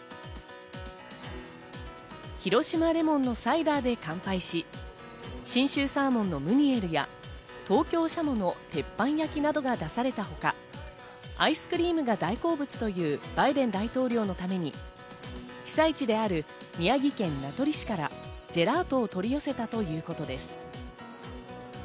広島レモンのサイダーで乾杯し、信州サーモンのムニエルや、東京シャモの鉄板焼きなどが出されたほか、アイスクリームが大好物というバイデン大統領のために被災地である宮城県名取市からジェラートを取り寄せたということです。